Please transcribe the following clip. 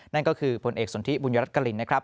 นั่นก็คือผลเอกสนทิบุญยรัฐกรินนะครับ